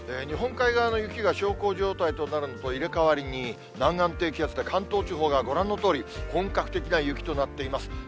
日本海側の雪が小康状態となるのと入れ代わりに、南岸低気圧で関東地方がご覧のとおり、本格的な雪となっています。